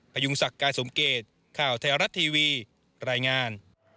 พยุงศักดิ์การสมเกตข่าวไทยรัฐทีวีรายงาน